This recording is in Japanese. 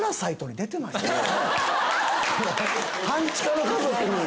「半地下の家族」に。